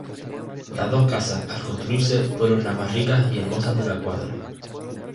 Las dos casas al construirse fueron las más ricas y hermosas de la cuadra.